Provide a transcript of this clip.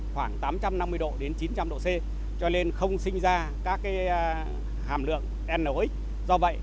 khoảng tám trăm năm mươi độ đến chín trăm linh độ c cho nên không sinh ra các hàm lượng nx do vậy